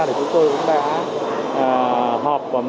thì chúng tôi cũng đã họp